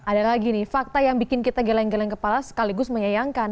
ada lagi nih fakta yang bikin kita geleng geleng kepala sekaligus menyayangkan